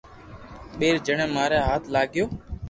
ٻئير جڻي ماري ھاٿ لاگيو